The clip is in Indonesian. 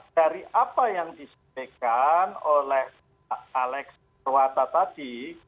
dari apa yang disampaikan oleh alex rawata tadi